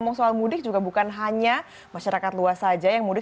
ngomong soal mudik juga bukan hanya masyarakat luas saja yang mudik